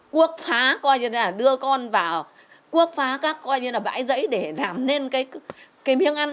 cuốc phá coi như là đưa con vào cuốc phá các coi như là bãi giấy để làm nên cái miếng ăn